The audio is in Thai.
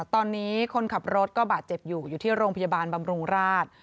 ตอนนี้คนขับรถก็บาดเจ็บอยู่อยู่ที่โรงพยาบาลบำรุงราช